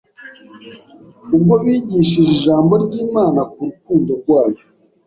ubwo bigishije ijambo ry’Imana ku rukundo rwayo